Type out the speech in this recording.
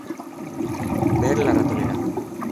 Ver La ratonera